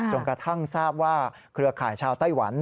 กระทั่งทราบว่าเครือข่ายชาวไต้หวัน